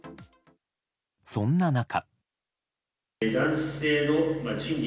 そんな中。